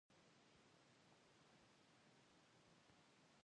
غازیان باید د دښمن مخه ونیسي.